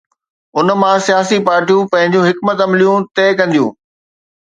ان مان سياسي پارٽيون پنهنجون حڪمت عمليون طئي ڪنديون.